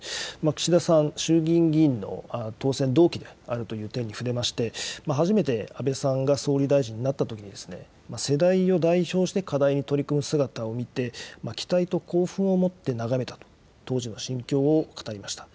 岸田さん、衆議院議員の当選同期であるという点に触れまして、初めて安倍さんが総理大臣になったときに、世代を代表して課題に取り組む姿を見て、期待と興奮を持って眺めたと、当時の心境を語りました。